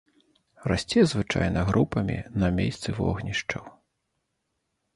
Расце звычайна групамі на месцы вогнішчаў.